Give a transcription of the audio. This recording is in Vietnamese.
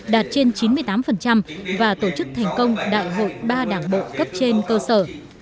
đạt trên chín mươi tám và tổ chức thành công đại hội ba đảng bộ cấp trên cơ sở